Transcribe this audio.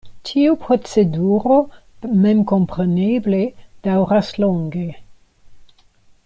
Tiu proceduro memkompreneble daŭras longe.